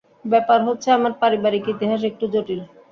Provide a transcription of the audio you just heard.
ব্যাপার হচ্ছে আমার পারিবারিক ইতিহাস, একটু জটিল।